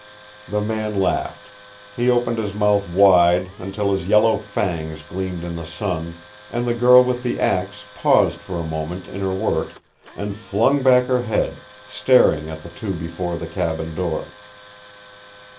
The man laughed. He opened his mouth wide, until his yellow fangs gleamed in the sun, and the girl with the axe paused for a moment in her work, and flung back her head, staring at the two before the cabin door.